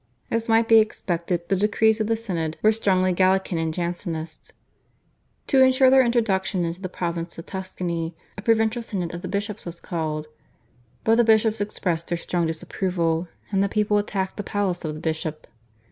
As might be expected the decrees of the synod were strongly Gallican and Jansenist. To ensure their introduction into the province of Tuscany a provincial synod of the bishops was called, but the bishops expressed their strong disapproval, and the people attacked the palace of the bishop.